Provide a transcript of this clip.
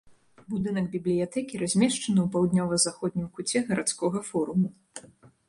Будынак бібліятэкі размешчаны ў паўднёва-заходнім куце гарадскога форуму.